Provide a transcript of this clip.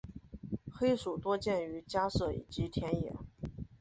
黑鼠多见于家舍以及田野。